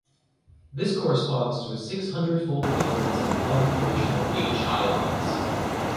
This corresponds to a six-hundredfold difference in concentration of H ions.